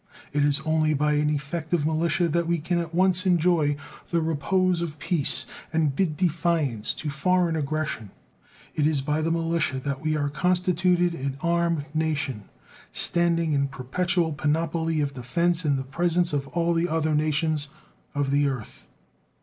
It is only by an effective militia that we can at once enjoy the repose of peace and bid defiance to foreign aggression; it is by the militia that we are constituted an armed nation, standing in perpetual panoply of defense in the presence of all the other nations of the earth.